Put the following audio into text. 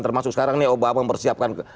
termasuk sekarang nih obama mempersiapkan